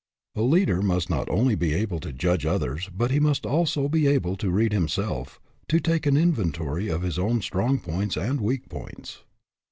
The leader must not only be able to judge others, but he must also be able to read him SIZING UP PEOPLE 193 self, to take an inventory of his own strong points and weak points.